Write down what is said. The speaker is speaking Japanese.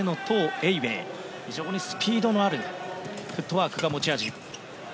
エーウェイ非常にスピードのあるフットワークが持ち味。